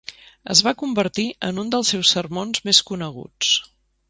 Es va convertir en un dels seus sermons més coneguts.